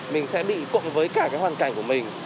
mình sẽ bị cộng với cả cái hoàn cảnh của mình